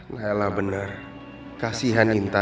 tidak ini dia